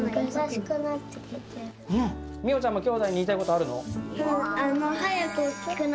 みよちゃんもきょうだいに言いたいことあるの？